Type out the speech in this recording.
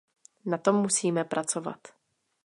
Na tom musíme pracovat.